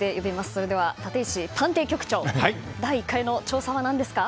それでは立石探偵局長第１回の調査は何ですか？